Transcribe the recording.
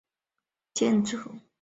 这座教堂最初是一座哥特式建筑。